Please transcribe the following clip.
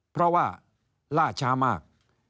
เพราะว่าล่าช้ามาก